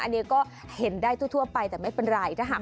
อันนี้ก็เห็นได้ทั่วไปแต่ไม่เป็นไรถ้าหาก